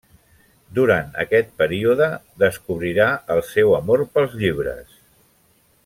Durant aquest període, descobrirà el seu amor pels llibres.